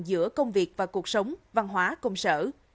giữa công việc và cuộc sống văn hóa công sở